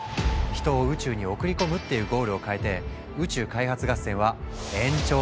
「人を宇宙に送り込む」っていうゴールをかえて宇宙開発合戦は延長戦に突入。